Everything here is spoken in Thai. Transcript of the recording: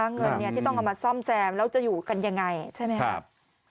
เงินที่ต้องเอามาซ่อมแซมแล้วจะอยู่กันยังไงใช่ไหมครับ